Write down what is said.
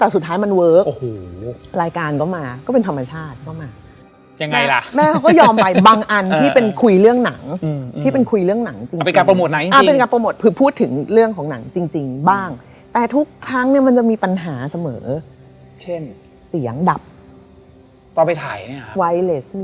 ใส่ก็โอยพรพี่เมกไป